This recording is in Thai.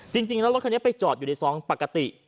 จริงแล้วรถคันนี้ไปจอดอยู่ในซองปกติ